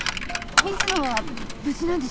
水野は無事なんでしょうか？